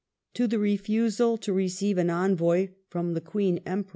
* To the refusal to receive an Envoy from the Queen Empress * Rose, p.